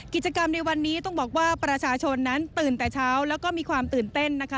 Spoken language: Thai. กิจกรรมในวันนี้ต้องบอกว่าประชาชนนั้นตื่นแต่เช้าแล้วก็มีความตื่นเต้นนะคะ